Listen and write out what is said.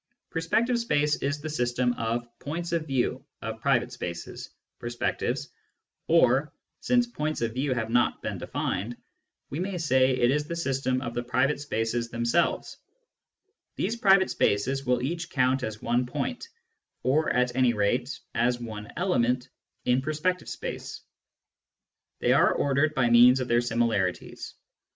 Perspective space is the system of " points of view " Digitized by Google 90 SCIENTIFIC METHOD IN PHILOSOPHY of private spaces (perspectives), or, since "points of view" have not been defined, we may say it is the system of the private spaces themselves. These private spaces will each count as one point, or at any rate as one element, in perspective space. They are ordered by means of their similarities.